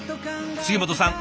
杉本さん